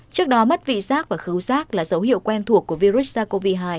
trước đó mất vị giác và cứu giác là dấu hiệu quen thuộc của virus sars cov hai